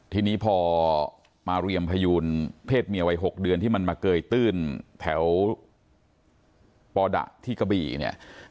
ทีนี้พอมาเรียมพยูนเพศเมียวัย๖เดือนที่มันมาเกยตื้นแถวปอดะที่กะบี่เนี่ย